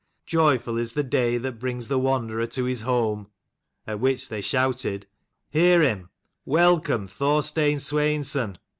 Joyful is the day that brings the wanderer to his home " (at which they shouted " Hear him, welcome Thorstein Sweinson